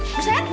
dari sini nanda